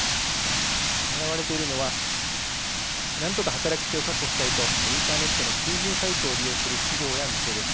狙われているのはなんとか働き手を確保したいとインターネットの求人サイトを利用する企業や店です。